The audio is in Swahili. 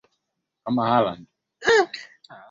kubwa ya ugonjwa huu wa ulimwenguni kote hatuwezi